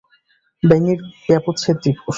ব্যাঙয়ের ব্যবচ্ছেদ দিবস।